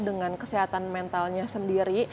dengan kesehatan mentalnya sendiri